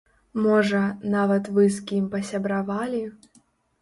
Можа, нават вы з кім пасябравалі?